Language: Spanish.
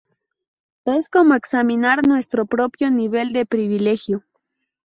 Es como examinar nuestro propio nivel de privilegio.